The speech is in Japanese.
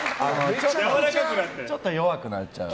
ちょっと弱くなっちゃう。